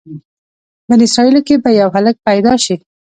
بني اسرایلو کې به یو هلک پیدا شي.